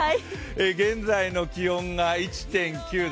現在の気温が１．９度。